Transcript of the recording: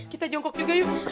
kita jongkok juga yuk